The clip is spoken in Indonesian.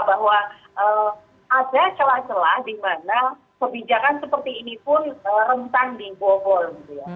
bahwa ada celah celah dimana kebijakan seperti ini pun rentan dibobol gitu ya